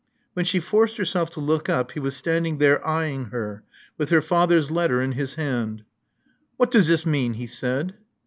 When she forced herself to look up, he was standing there eyeing her, with her father's letter in his hand. What does this mean?" he said.